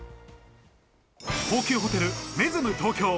高級ホテル、メズム東京。